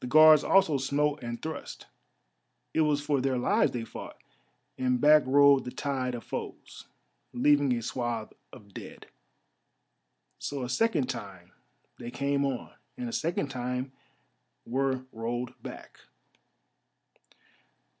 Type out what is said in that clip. The Guards also smote and thrust; it was for their lives they fought, and back rolled the tide of foes, leaving a swathe of dead. So a second time they came on, and a second time were rolled back.